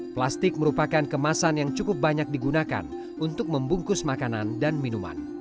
plastik merupakan kemasan yang cukup banyak digunakan untuk membungkus makanan dan minuman